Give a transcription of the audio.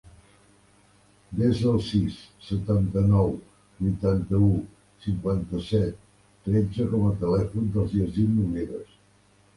Desa el sis, setanta-nou, vuitanta-u, cinquanta-set, tretze com a telèfon del Yassin Nogueras.